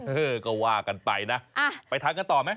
เออก็ว่ากันไปนะไปทานกันต่อไหม